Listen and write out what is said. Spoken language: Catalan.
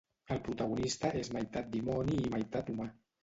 El protagonista és meitat dimoni i meitat humà.